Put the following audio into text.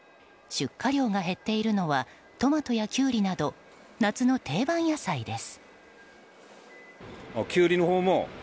出荷量が減っているのはトマトやキュウリなど夏の定番野菜です。